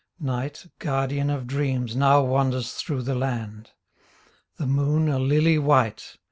Night, guardian of dreams. Now wanders through the land; The moon, a lily white.